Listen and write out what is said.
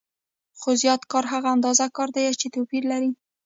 خو زیات کار هغه اندازه کار دی چې توپیر لري